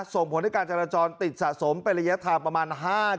ส่งผลที่กายจรจรติดสะสมไประยะทางประมาณ๕กิโลเมตร